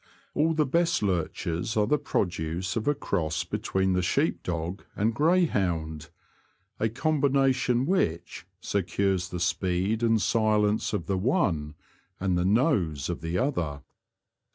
All the best lurchers are the produce of a cross between the sheep dog and greyhound, a combination which secures the speed and si lence of the one, and the ''nose " of the other.